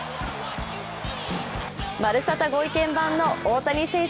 「まるサタ」ご意見番の大谷選手